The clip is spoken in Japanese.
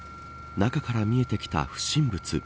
中から見えてきた不審物。